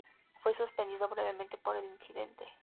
Fue suspendido brevemente por el incidente.